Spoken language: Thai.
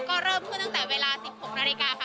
ก็เริ่มขึ้นตั้งแต่เวลา๑๖นาฬิกาค่ะ